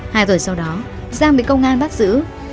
hai vợ sau đó giang bị công an bắt giữ